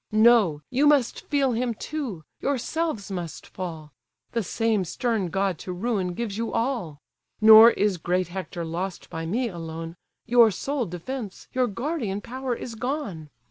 No, you must feel him too; yourselves must fall; The same stern god to ruin gives you all: Nor is great Hector lost by me alone; Your sole defence, your guardian power is gone!